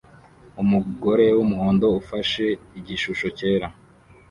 Umugore wumuhondo ufashe igishusho cyera